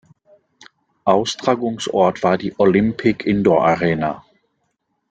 Austragungsort war die Olympic Indoor Arena.